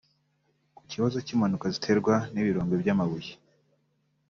Ku kibazo cy'impanuka ziterwa n'ibirombe by'amabuye